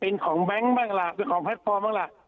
เป็นของแบนบางดั้งละคอยภาพฟองอ่ะ